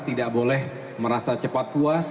tidak boleh merasa cepat puas